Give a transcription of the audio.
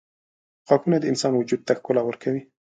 • غاښونه د انسان وجود ته ښکلا ورکوي.